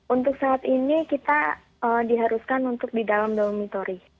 untuk saat ini kita diharuskan untuk di dalam dolmitori